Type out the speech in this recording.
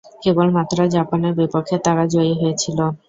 কেবলমাত্র জাপানের বিপক্ষে তারা জয়ী হয়েছিল।